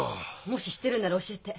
もし知ってるんなら教えて。